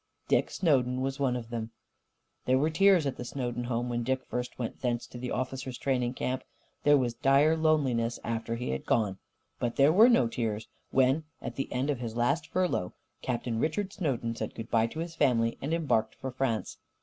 Dick Snowden was one of them. There were tears at the Snowden home when Dick first went thence to the officers' training camp. There was dire loneliness after he had gone. But there were no tears when, at the end of his last furlough, Captain Richard Snowden said good bye to his family and embarked for France.